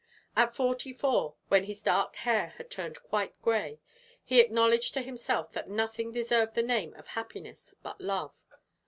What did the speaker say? At forty four, when his dark hair had turned quite gray, he acknowledged to himself that nothing deserved the name of happiness but love.